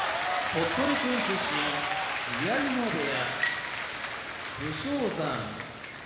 鳥取県出身宮城野部屋武将山